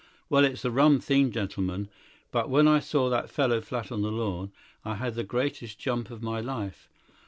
Well, it's a rum thing, gentlemen, but when I saw that fellow flat on the lawn I had the greatest jump of my life.